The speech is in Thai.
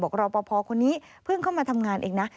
บอกว่ารอปภคนนี้เพิ่งเข้ามาทำงานอีกนะ